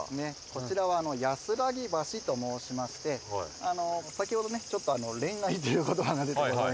こちらはやすらぎ橋と申しまして先ほどちょっと恋愛という言葉が出て。